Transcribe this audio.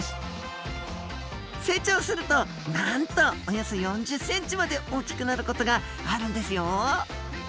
成長するとなんとおよそ４０ｃｍまで大きくなることがあるんですよ！